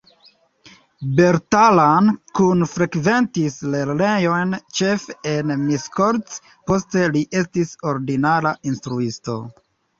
Bertalan Kun frekventis lernejojn ĉefe en Miskolc, poste li estis ordinara instruisto.